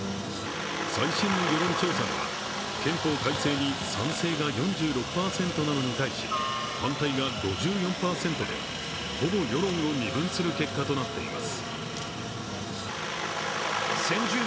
最新の世論調査では、憲法改正に賛成が４６％なのに対し反対が５４％とほぼ世論を二分する結果となっています。